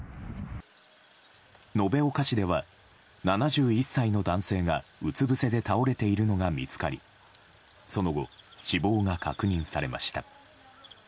延岡市では７１歳の男性がうつぶせで倒れているのが見つかりその後、死亡が確認されました。